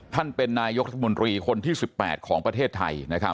ท่านเป็นนายกรัฐมนตรีคนที่๑๘ของประเทศไทย